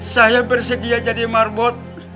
saya bersedia jadi marbot